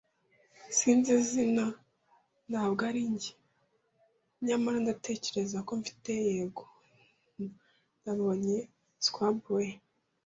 sinzi izina, ntabwo ari njye. Nyamara ndatekereza ko mfite - yego, nabonye swab. We